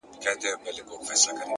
اخلاق د انسان پټ سرمایه ده